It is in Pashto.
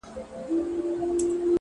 • ما په سهار لس رکاته کړي وي ـ